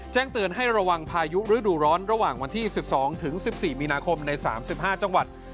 แจ้งเตือนให้ระวังพายุฤดูร้อนระหว่างวันที่๑๒๑๔มีนาคมใน๓๕จังหวัด